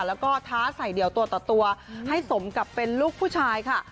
แล้วก็ท้าใส่เดี่ยวตัวต่อตัวให้สมกับเป็นลูกผู้ชายค่ะ